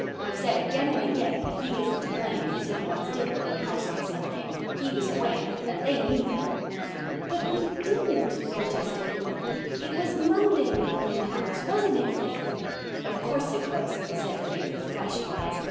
I've said again and again that he isn't to blame if his young ones did clean house on Sunday. He was away—and they knew better." "But we didn't," protested Una. "It was Monday we cleaned house. Wasn't it, Faith?" "Of course it was," said Faith, with flashing eyes.